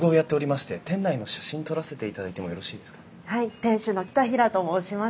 店主の北平と申します。